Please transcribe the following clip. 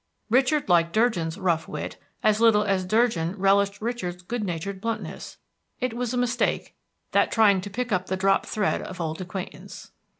Richard liked Durgin's rough wit as little as Durgin relished Richard's good natured bluntness. It was a mistake, that trying to pick up the dropped thread of old acquaintance.